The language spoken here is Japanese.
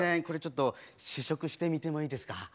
これちょっと試食してみてもいいですか？